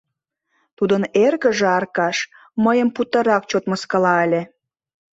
Тудын эргыже, Аркаш, мыйым путырак чот мыскыла ыле.